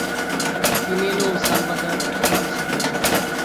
তিনি El Salvador ত্যাগের সিদ্ধান্ত নেন।